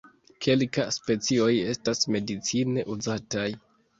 Kelka specioj estas medicine uzataj.